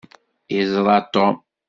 Iẓra Tom.